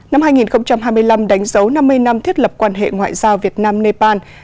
năm hai nghìn hai mươi năm đánh dấu năm mươi năm thiết lập quan hệ ngoại giao việt nam nepal